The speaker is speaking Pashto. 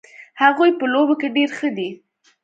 هغوی په لوبو کې ډېر ښه دي